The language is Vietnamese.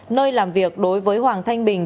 nơi làm việc đối với hoàng thanh bình